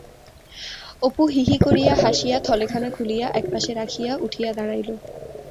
অপু হি-হি করিয়া হাসিয়া থলেখানা খুলিয়া এক পাশে রাখিয়া উঠিয়া দাঁড়াইল।